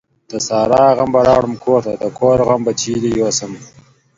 د سارا غم به راوړم کورته ، دکور غم به چيري يو سم ؟.